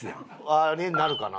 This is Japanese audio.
あれになるかな？